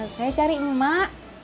saya cari emak